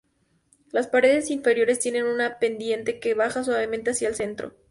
Las paredes interiores tienen una pendiente que baja suavemente hacia el centro.